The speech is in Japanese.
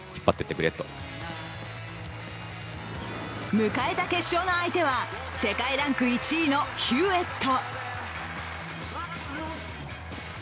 迎えた決勝の相手は世界ランク１位のヒューエット。